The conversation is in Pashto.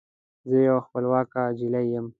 زه یوه خپلواکه نجلۍ یم